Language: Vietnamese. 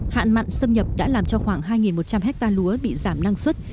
hạn mặn xâm nhập đã làm cho khoảng hai một trăm linh hectare lúa bị giảm năng suất